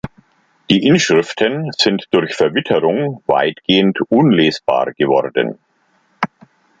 Die Inschriften sind durch Verwitterung weitgehend unlesbar geworden.